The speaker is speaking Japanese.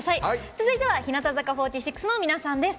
続いては日向坂４６の皆さんです。